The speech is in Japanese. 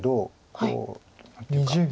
こう何ていうか。